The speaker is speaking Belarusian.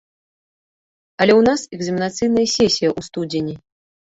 Але ў нас экзаменацыйная сесія ў студзені.